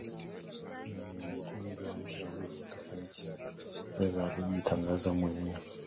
mgonjwa mashuhuri kutoka nchini uingereza alijitangaza mwenyewe